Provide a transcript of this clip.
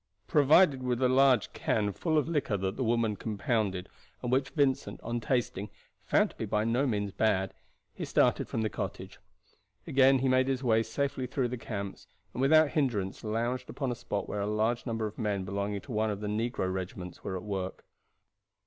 Provided with a large can full of a liquor that the woman compounded, and which Vincent, on tasting, found to be by no means bad, he started from the cottage. Again he made his way safely through the camps, and without hindrance lounged up to a spot where a large number of men belonging to one of the negro regiments were at work.